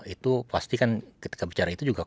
itu pasti kan ketika bicara itu juga